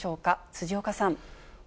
辻岡さん。